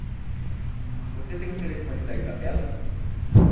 Você tem um telefone da Izabela?